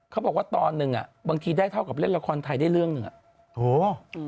เขาบอกว่าตอนนึงบางทีได้เท่ากับเล่นละครไทยได้เรื่องนึง